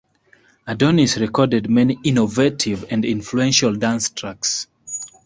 Adonis recorded many innovative and influential dance tracks.